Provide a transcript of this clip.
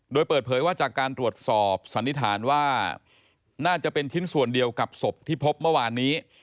โดยเปิดเผยว่าจากการตรวจสอบสันนิษฐานว่าน่าจะเป็นชิ้นส่วนเดียวกับศพที่พบเมื่อวานนี้